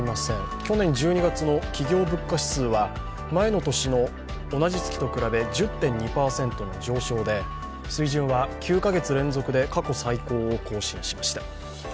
去年１２月の企業物価指数は前の年と同じ月と比べ１０．２％の上昇で水準は９か月連続で過去最高を更新しました。